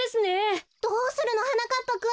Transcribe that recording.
どうするの？はなかっぱくん。